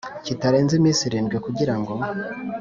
kitarenze iminsi irindwi kugira ngo